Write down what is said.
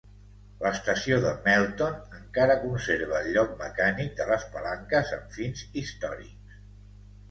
L'estació de Melton encara conserva el lloc mecànic de les palanques amb fins històrics.